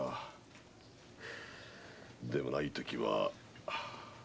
でない時は。